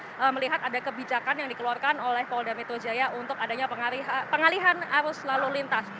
karena kita melihat ada kebijakan yang dikeluarkan oleh polda metro jaya untuk adanya pengalihan arus lalu lintas